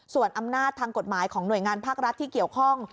ส่วนอำนาจทางกฎหมายของหน่วยงานภาครัฐที่เกี่ยวข้อง